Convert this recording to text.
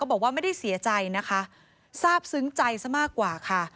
บอกว่าไม่ได้เสียใจนะคะทราบซึ้งใจซะมากกว่าค่ะ